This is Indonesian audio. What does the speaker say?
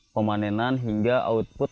pemanenan hingga output